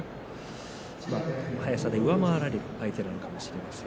早さで上回れる相手かもしれません。